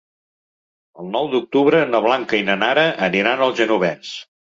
El nou d'octubre na Blanca i na Nara aniran al Genovés.